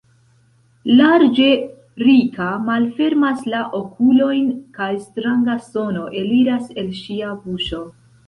Larĝe Rika malfermas la okulojn kaj stranga sono eliras el ŝia buŝo.